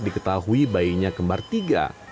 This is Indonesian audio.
diketahui bayinya kembar tiga